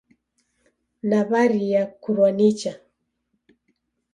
Naw'aria kurwa nicha.